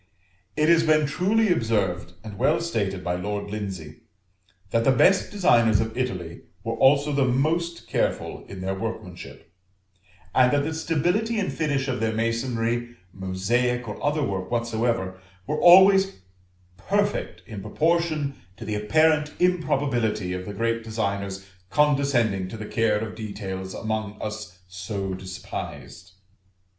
It has been truly observed and well stated by Lord Lindsay, that the best designers of Italy were also the most careful in their workmanship; and that the stability and finish of their masonry, mosaic, or other work whatsoever, were always perfect in proportion to the apparent improbability of the great designers condescending to the care of details among us so despised.